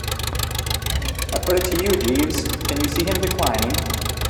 I put it to you, Jeeves, can you see him declining?